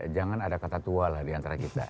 jangan ada kata tua lah diantara kita